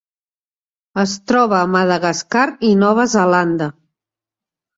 Es troba a Madagascar i Nova Zelanda.